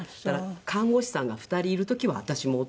看護師さんが２人いる時は私も弟も出て。